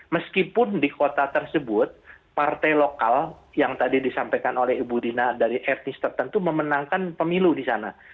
meskipun di kota tersebut partai lokal yang tadi disampaikan oleh ibu dina dari etnis tertentu memenangkan pemilu di sana